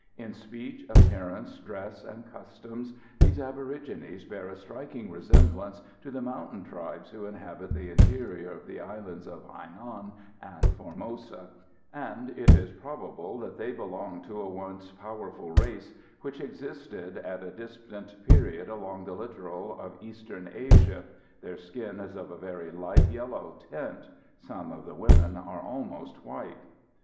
In speech, appearance, dress and customs, these aborigines bear a striking resemblance to the mountain tribes who inhabit the interior of the islands of Hainan and Formosa, and it is probable that they belong to a once powerful race which existed at a distant period along the littoral of Eastern Asia. Their skin is of a very light yellow tint; some of the women are almost white.